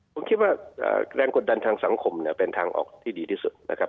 ผมคิดว่าแรงกดดันทางสังคมเนี่ยเป็นทางออกที่ดีที่สุดนะครับ